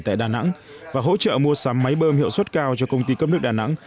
tại đà nẵng và hỗ trợ mua sắm máy bơm hiệu suất cao cho công ty cấp nước đà nẵng